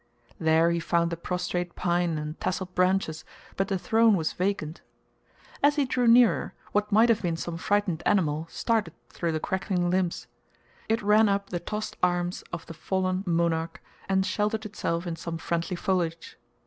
There he found the prostrate pine and tasseled branches, but the throne was vacant. As he drew nearer, what might have been some frightened animal started through the crackling limbs. It ran up the tossed arms of the fallen monarch and sheltered itself in some friendly foliage.